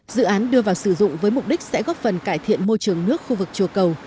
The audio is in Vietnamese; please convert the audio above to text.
dự án đưa vào sử dụng với mục đích sẽ góp phần cải thiện môi trường nước khu vực chùa cầu